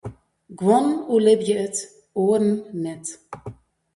Guon oerlibje it, oaren net.